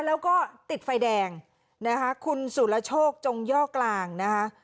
แล้วก็ติดไฟแดงนะคะคุณสุรโชคจงย่อกลางนะคะ